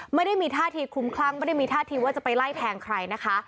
ไม่ได้มีท่าทีคลุมคลั่งไม่ได้มีท่าทีว่าจะไปไล่แทงใครนะคะ